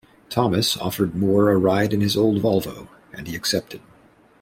Thomas offered Moore a ride in his old Volvo and he accepted.